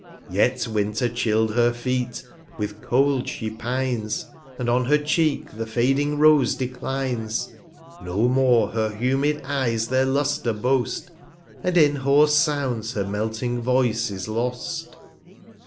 Yet Winter chill'd her Feet, with Cold she pines, And on her Cheek the fading Rose declines ; No more her humid Eyes their Lustre boast, And in hoarse Sounds her melting Voice is lost.